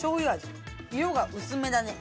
色が薄めだね。